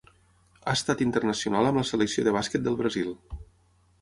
Ha estat internacional amb la selecció de bàsquet del Brasil.